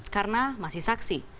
karena masih saksi